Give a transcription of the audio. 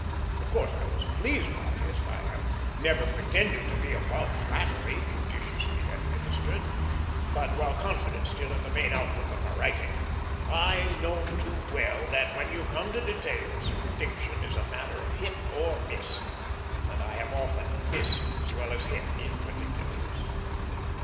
Of course, I was pleased by this; I have never pretended to be above flattery judiciously administered: but, while confident still in the main outlook of my writing, I know too well that, when you come to details, prediction is a matter of hit or miss, and that I have often missed as well as hit in particulars.